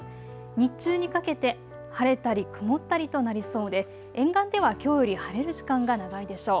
日中にかけて晴れたり曇ったりとなりそうで沿岸ではきょうより晴れる時間が長いでしょう。